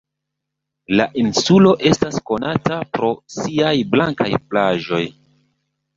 La insulo estas konata pro siaj blankaj plaĝoj.